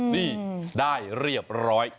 นี่ได้เรียบร้อย